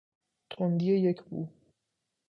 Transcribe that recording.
تندی یک بو